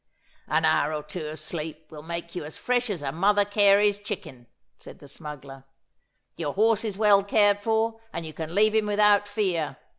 'An hour or two of sleep will make you as fresh as a Mother Carey's chicken,' said the smuggler. 'Your horse is well cared for, and you can leave him without fear.